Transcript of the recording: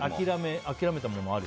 諦めたものある？